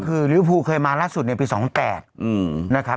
คือลิวภูเคยมาล่าสุดเนี่ยปีสองแปดอืมนะครับ